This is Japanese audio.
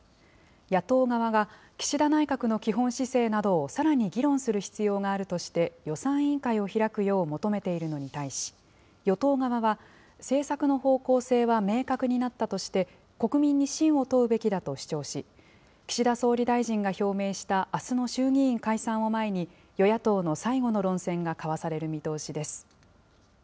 野党側が岸田内閣の基本姿勢などをさらに議論する必要があるとして、予算委員会を開くよう求めているのに対し、与党側は、政策の方向性は明確になったとして、国民に信を問うべきだと主張し、岸田総理大臣が表明したあすの衆議院解散を前に、与野党の最後の論戦が交わされる見通しです。